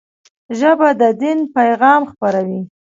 ژبه د دین پيغام خپروي